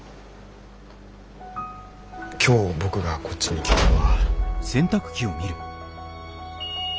今日僕がこっちに来たのは。